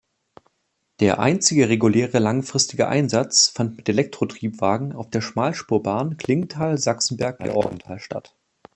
Der einzige reguläre und langfristige Einsatz fand mit Elektrotriebwagen auf der Schmalspurbahn Klingenthal–Sachsenberg-Georgenthal statt.